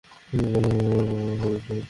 এটা তোমার ভবিষ্যত।